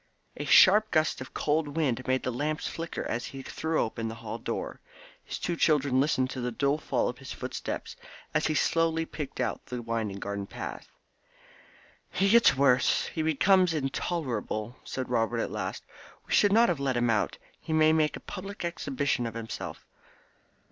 A sharp gust of cold wind made the lamps flicker as he threw open the hall door. His two children listened to the dull fall of his footsteps as he slowly picked out the winding garden path. "He gets worse he becomes intolerable," said Robert at last. "We should not have let him out; he may make a public exhibition of himself."